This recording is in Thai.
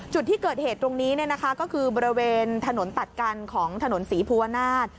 จุดที่เกิดเหตุตรงนี้ก็คือบริเวณถนนตัดกันของถนนศรีภูวนาศ